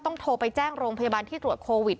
โทรไปแจ้งโรงพยาบาลที่ตรวจโควิด